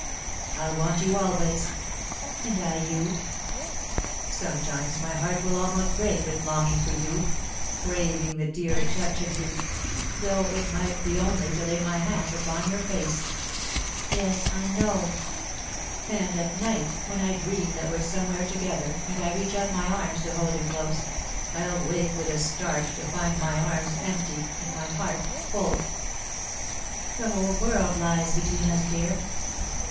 "I'll want you always." "And I you." "Sometimes my heart will almost break with longing for you, craving the dear touch of you, though it might be only to lay my hand upon your face." [Sidenote: The Day's Duty] "Yes, I know." "And at night, when I dream that we're somewhere together, and I reach out my arms to hold you close, I'll wake with a start, to find my arms empty and my heart full." "The whole world lies between us, dear."